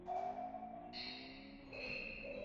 তিনি পার্বত্য চট্টগ্রাম জনসমিতি প্রতিষ্ঠা করেছিলেন।